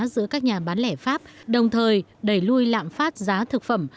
giữa các nhà bán lẻ pháp đồng thời đẩy lùi lạm phát giá thực phẩm